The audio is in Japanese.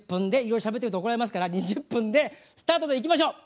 ようしゃべってると怒られますから２０分でスタートといきましょう。